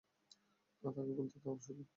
না, তাকে বলতে দাও, শুনি।